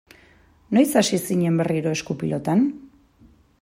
Noiz hasi zinen berriro esku-pilotan?